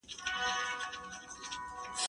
هغه وويل چي وخت تېریدل ضروري دي؟